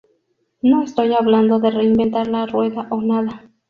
No estoy hablando de reinventar la rueda o nada.